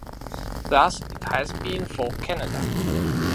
Thus it has been for Canada.